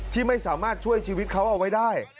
ที่ไม่สามารถช่วยชีวิตเขาเอาไว้ได้